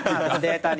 データに。